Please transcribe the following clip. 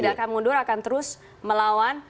tidak akan mundur akan terus melawan